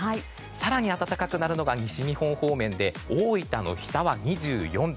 更に暖かくなるのが西日本方面で大分の日田は２４度。